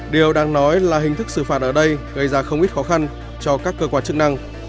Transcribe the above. điều đang nói là hình thức xử phạt ở đây gây ra không ít khó khăn cho các cơ quan chức năng